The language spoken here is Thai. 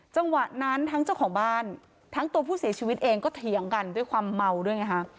จังหวะนั้นทั้งเจ้าของบ้านทั้งตัวผู้เสียชีวิตเองก็เถียงกันด้วยความเมาด้วยไงฮะ